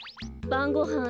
ばんごはん